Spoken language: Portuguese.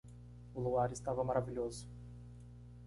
O luar estava maravilhoso.